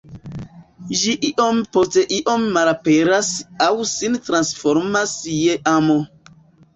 Ĝi iom post iom malaperas aŭ sin transformas je amo.